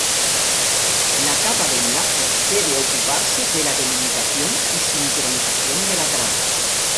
La capa de enlace debe ocuparse de la delimitación y sincronización de la trama.